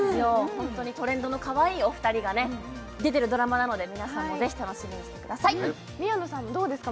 ホントにトレンドのかわいいお二人がね出てるドラマなので皆さんもぜひ楽しみにしてください宮野さんどうですか？